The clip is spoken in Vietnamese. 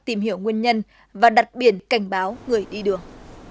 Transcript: tìm hiểu nguyên nhân và đặt biển cảnh báo người đi đường